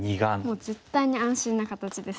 もう絶対に安心な形ですね。